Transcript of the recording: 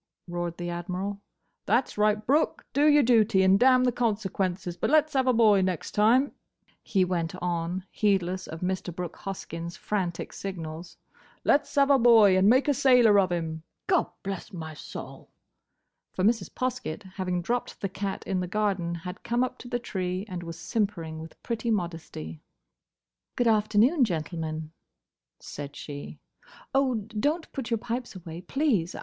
roared the Admiral. "That's right, Brooke! Do your duty, and damn the consequences!—But let's have a boy next time," he went on, heedless of Mr. Brooke Hoskyn's frantic signals, "let 's have a boy, and make a sailor of him!—Gobblessmysoul!" For Mrs. Poskett, having dropped the cat in the garden, had come up to the tree, and was simpering with pretty modesty. [Illustration: "THAT'S RIGHT, BROOKE! DO YOUR DUTY, AND —— THE CONSEQUENCES!"] "Good afternoon, gentlemen," said she. "Oh—don't put your pipes away, please.